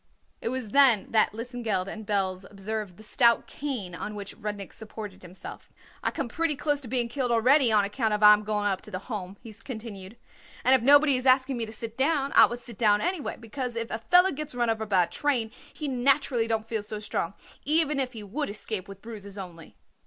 It was then that Lesengeld and Belz observed the stout cane on which Rudnik supported himself. "I come pretty close to being killed already on account I am going up to the Home," he continued; "and if nobody is asking me to sit down I would sit down anyway, because if a feller gets run over by a train he naturally don't feel so strong, even if he would escape with bruises only."